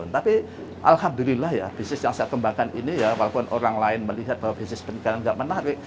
tapi alhamdulillah ya bisnis yang saya kembangkan ini ya walaupun orang lain melihat bahwa bisnis pendidikan tidak menarik